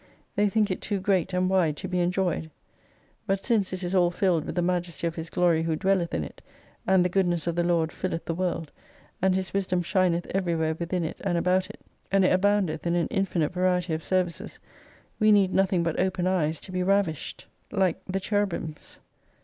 They think it too great and wide to be enjoyed. But since it is all filled with the Majesty of His Glory who dwelleth in it ; and the Goodness of the Lord filleth the "World, and His wisdom shineth everywhere within it and about it ; and it aboundeth in an infinite variety of services ; we need nothing but open eyes, to be ravished like the Cherubims.